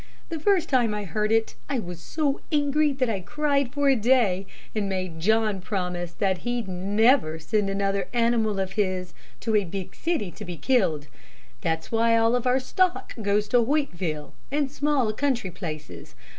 The first time I heard it, I was so angry that I cried for a day, and made John promise that he'd never send another animal of his to a big city to be killed. That's why all of our stock goes to Hoytville, and small country places.